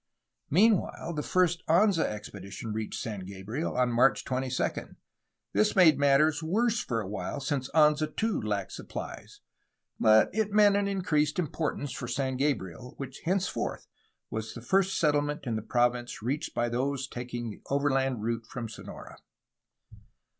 Meanwhile, the first Anza expedition reached San Gabriel, on March 22. This made matters worse for a while, since Anza, too, lacked supplies, but it meant an increased importance for San Gabriel, which henceforth was the first settlement in the province reached by those taking the overland route from Sonora.